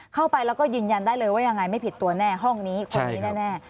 เข้าไปแล้วก็ยืนยันได้เลยว่ายังไงไม่ผิดตัวแน่ห้องนี้คนนี้แน่